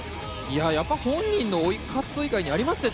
やっぱり本人の追いカツオ以外にありますか？